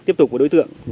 tiếp tục với đối tượng